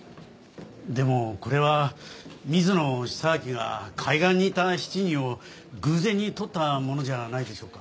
でもこれは水野久明が海岸にいた７人を偶然に撮ったものじゃないでしょうか。